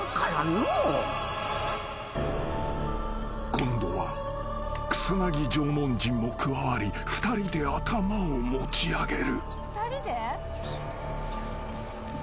［今度は草薙縄文人も加わり２人で頭を持ち上げる］